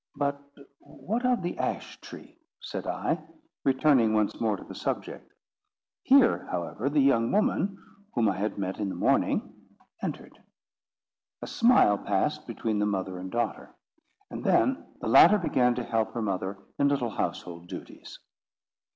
"But what of the ash tree?" said I, returning once more to the subject. Here, however, the young woman, whom I had met in the morning, entered. A smile passed between the mother and daughter; and then the latter began to help her mother in little household duties.